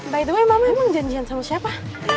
by the way mama emang janjian sama siapa